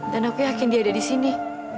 dan aku yakin dia ada di sini